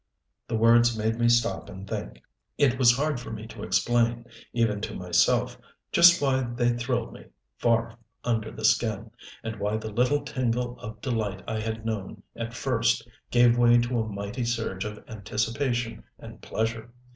The words made me stop and think. It was hard for me to explain, even to myself, just why they thrilled me far under the skin, and why the little tingle of delight I had known at first gave way to a mighty surge of anticipation and pleasure.